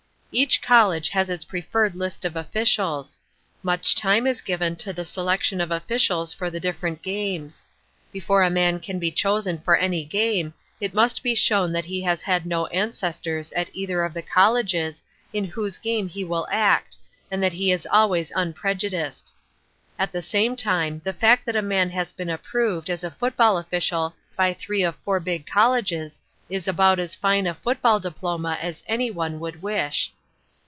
Each college has its preferred list of officials. Much time is given to the selection of officials for the different games. Before a man can be chosen for any game it must be shown that he has had no ancestors at either of the colleges in whose game he will act and that he is always unprejudiced. At the same time the fact that a man has been approved as a football official by three of four big colleges is about as fine a football diploma as any one would wish.